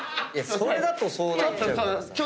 それだとそうなっちゃう。